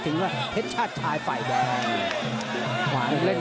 ถึงว่าเผ็ดชาติชายไฟแดง